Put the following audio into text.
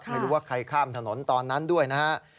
ไม่รู้ว่าใครข้ามถนนตอนนั้นด้วยนะฮะ